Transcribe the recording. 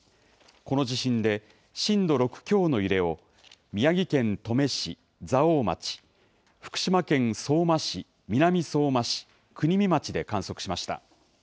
この地震で震度６強の揺れを宮城県登米市、蔵王町、福島県相馬市、南相馬市、国見町で観測しました。